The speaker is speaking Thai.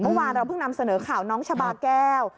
เมื่อวานเราเพิ่งนำเสนอข่าวน้องชาบาแก้ว